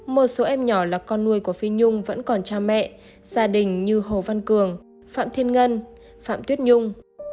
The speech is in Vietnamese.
một số em nhỏ là con nuôi của phi nhung vẫn còn cha mẹ gia đình như hồ văn cường phạm thiên ngân phạm tuyết nhung